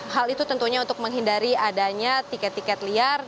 hal itu tentunya untuk menghindari adanya tiket tiket liar